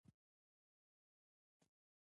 د وینې ورکول ثواب او روغتیا ده